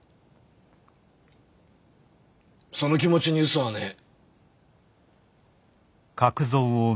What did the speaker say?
その気持ちにうそはねえ。